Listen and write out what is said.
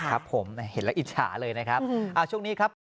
ครับผมเห็นแล้วอิจฉาเลยนะครับช่วงนี้ครับ